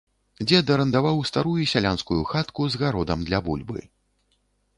Дзед арандаваў старую сялянскую хатку з гародам для бульбы.